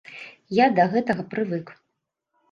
Я да гэтага прывык.